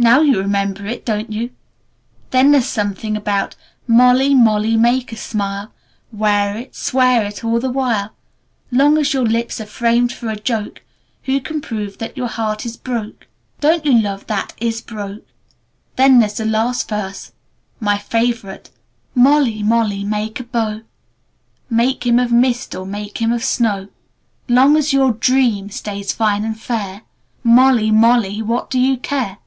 "Now you remember it, don't you? Then there's something about "'Molly, Molly Make a Smile, Wear it, swear it all the while. Long as your lips are framed for a joke, Who can prove that your heart is broke?' "Don't you love that 'is broke'! Then there's the last verse my favorite: "'Molly, Molly Make a Beau, Make him of mist or make him of snow, Long as your DREAM stays fine and fair, _Molly, Molly what do you care!